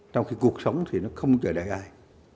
trong khi cuộc sống thì nó không chờ đợi ai